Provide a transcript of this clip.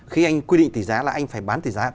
khi anh quy định tỷ giá là anh phải bán tỷ giá